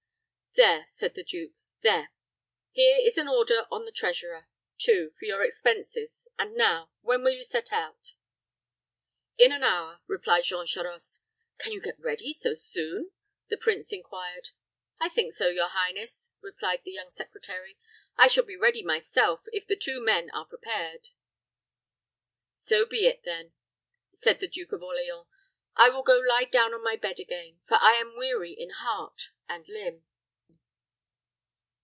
"There," said the duke, "there. Here is an order on the treasurer, too, for your expenses; and now, when will you set out?" "In an hour," replied Jean Charost. "Can you get ready so soon?" the prince inquired. "I think so, your highness," replied the young secretary. "I shall be ready myself, if the two men are prepared." "So be it, then," said the Duke of Orleans. "I will go lie down on my bed again, for I am weary in heart and limb."